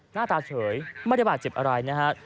หน้าตาเฉยไม่ได้บาดเจ็บอะไรนะฮะ